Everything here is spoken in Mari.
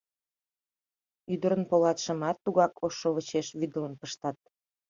Ӱдырын полатшымат тугак ош шовычеш вӱдылын пыштат.